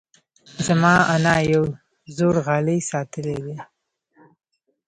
زما انا یو زوړ غالۍ ساتلی دی.